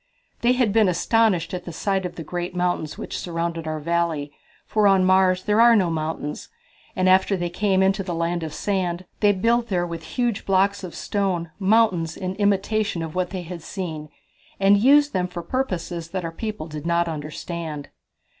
"They had been astonished at the sight of the great mountains which surrounded our valley, for on Mars there are no mountains, and after they came into the Land of Sand they built there with huge blocks of stone mountains in imitation of what they had seen, and used them for purposes that our people did not understand."